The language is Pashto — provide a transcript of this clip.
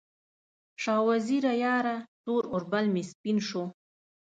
شاه وزیره یاره، تور اوربل مې سپین شو